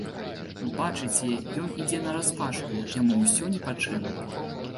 Бачыце, ён ідзе нараспашку, яму ўсё ні па чым.